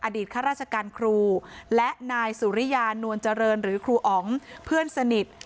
ข้าราชการครูและนายสุริยานวลเจริญหรือครูอ๋องเพื่อนสนิท